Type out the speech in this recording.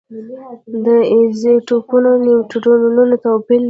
د ایزوټوپونو نیوټرونونه توپیر لري.